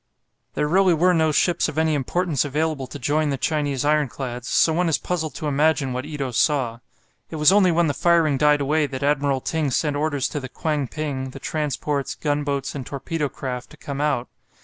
There really were no ships of any importance available to join the Chinese ironclads, so one is puzzled to imagine what Ito saw. It was only when the firing died away that Admiral Ting sent orders to the "Kwang ping," the transports, gunboats, and torpedo craft to come out.